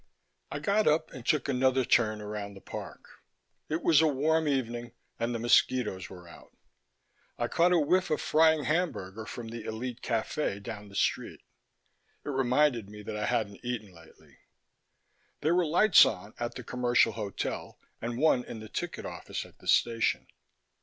I got up and took another turn around the park. It was a warm evening, and the mosquitoes were out. I caught a whiff of frying hamburger from the Elite Cafe down the street. It reminded me that I hadn't eaten lately. There were lights on at the Commercial Hotel and one in the ticket office at the station.